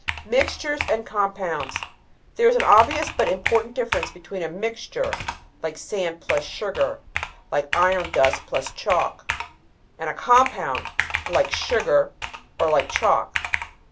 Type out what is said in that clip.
Mixtures and Compounds There is an obvious but important difference between a mixture like sand plus sugar, like iron dust plus chalk, and a compound like sugar, or like chalk.